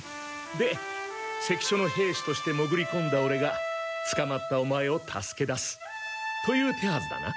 で関所の兵士としてもぐりこんだオレがつかまったオマエを助け出すという手はずだな？